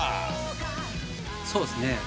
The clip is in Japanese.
そうですね。